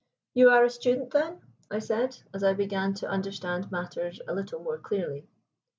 "You are a student, then?" I said, as I began to understand matters a little more clearly.